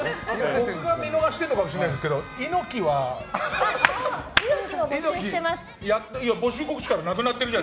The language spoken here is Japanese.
僕が見逃してるのかもしれませんが猪木も募集してます！